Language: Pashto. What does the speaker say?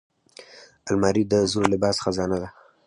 الماري د زوړ لباس خزانه ده